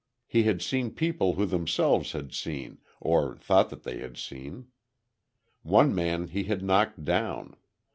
He had seen people who themselves had seen, or thought that they had seen. One man he had knocked down.